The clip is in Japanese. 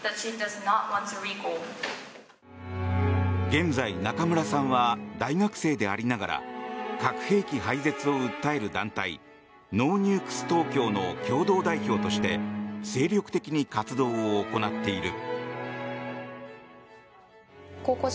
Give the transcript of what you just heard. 現在中村さんは大学生でありながら核兵器廃絶を訴える団体ノーニュークストーキョーの共同代表として精力的に活動を行っている。